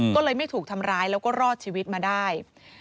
ก็เลยไม่ถูกทำร้ายแล้วก็รอดชีวิตมาได้